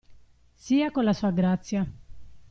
Sia con la sua grazia.